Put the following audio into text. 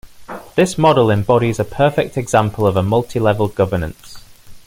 This model embodies a perfect example of a multi-level governance.